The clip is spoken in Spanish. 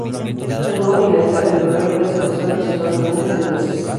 El juego finaliza cuando el rey fue secuestrado exitosamente tres veces.